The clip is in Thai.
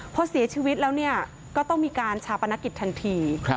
เพราะเสียชีวิตแล้วเนี่ยก็ต้องมีการชาปนักกิจทันที